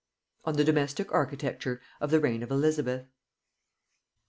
ON THE DOMESTIC ARCHITECTURE OF The Reign of Elizabeth.